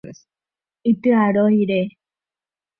Ityarõ rire.